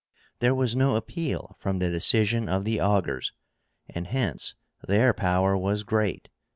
There was no appeal from the decision of the Augurs, and hence their power was great.